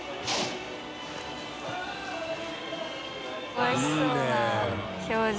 おいしそうな表情。